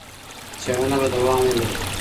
څېړنه به دوام ولري.